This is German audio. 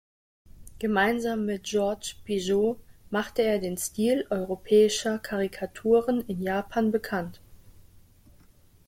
Gemeinsam mit Georges Bigot machte er den Stil europäischer Karikaturen in Japan bekannt.